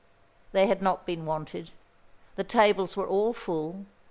They had not been wanted. The tables were all full.